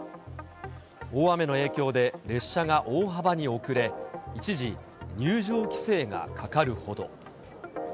大雨の影響で、列車が大幅に遅れ、一時、入場規制がかかるほど。